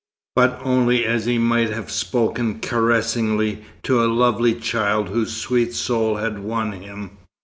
But only as he might have spoken caressingly to a lovely child whose sweet soul had won him.